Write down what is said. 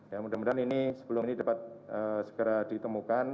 ya mudah mudahan ini sebelum ini dapat segera ditemukan